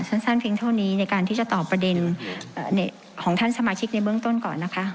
สั้นเพียงเท่านี้ในการที่จะตอบประเด็นของท่านสมาชิกในเบื้องต้นก่อนนะคะ